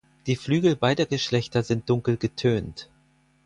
Die Flügel beider Geschlechter sind dunkel getönt.